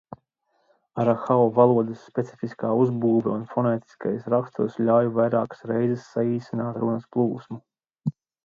Arahau valodas specifiskā uzbūve un fonētiskais raksturs ļauj vairākas reizes saīsināt runas plūsmu.